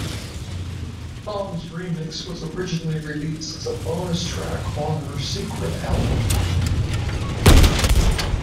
The song's remix was originally released as a bonus track on her "secret" album.